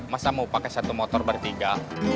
masa mau pakai satu motor bertiga